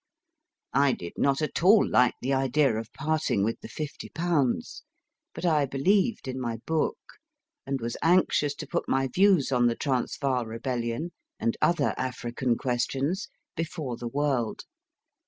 I did not at all like the idea of parting with the fifty pounds, but I be lieved in my book, and was anxious to put my views on the Transvaal rebellion and other African questions before the world.